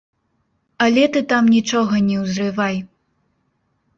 Але ты там нічога не ўзрывай.